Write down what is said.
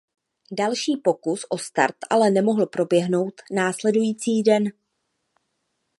Další pokus o start ale mohl proběhnout následující den.